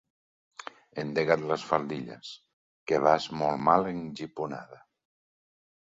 Endega't les faldilles, que vas molt mal engiponada.